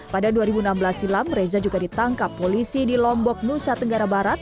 pada dua ribu enam belas silam reza juga ditangkap polisi di lombok nusa tenggara barat